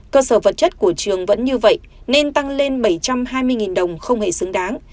cơ sở vật chất của trường vẫn như vậy nên tăng lên bảy trăm hai mươi đồng không hề xứng đáng